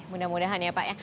mudah mudahan ya pak